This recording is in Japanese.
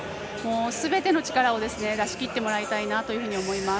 すべての力を出しきってもらいたいなというふうに思います。